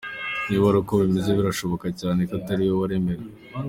Niba ari uko bimeze birashoboka cyane ko Atari we waremewe.